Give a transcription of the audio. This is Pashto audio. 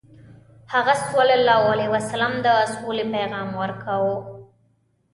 هغه ﷺ د سولې پیغام ورکاوه.